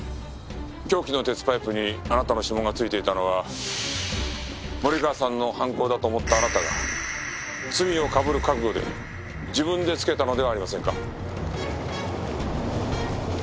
凶器の鉄パイプにあなたの指紋が付いていたのは森川さんの犯行だと思ったあなたが罪をかぶる覚悟で自分で付けたのではありませんか？